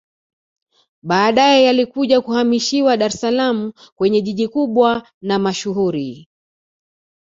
Baadae yalikuja kuhamishiwa Dar es salaam kwenye jiji kubwa na mashuhuri